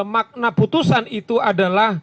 makna putusan itu adalah